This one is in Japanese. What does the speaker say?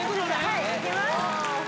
はいいきます・